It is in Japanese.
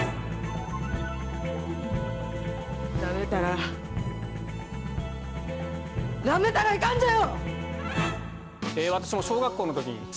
なめたらなめたらいかんぜよ！